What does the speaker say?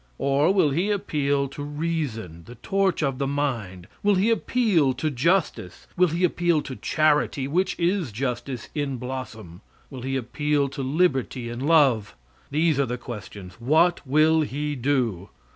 Or will he appeal to reason, the torch of the mind? Will he appeal to justice? Will he appeal to charity, which is justice in blossom? Will he appeal to liberty and love? These are the questions. What will he do?